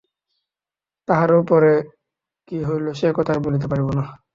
তাহারও পরে কী হইল সে কথা আর বলিতে পারিব না।